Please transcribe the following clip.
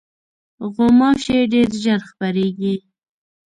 غوماشې ډېر ژر خپرېږي.